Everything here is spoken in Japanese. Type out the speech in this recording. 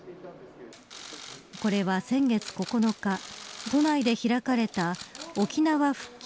これは先月９日都内で開かれた沖縄復帰